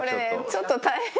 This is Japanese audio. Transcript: ちょっと大変かも。